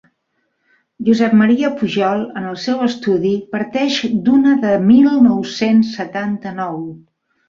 Josep Maria pujol, en el seu estudi, parteix d'una de mil nou-cents setanta-nou.